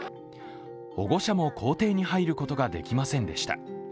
保護者も校庭に入ることができませんでした。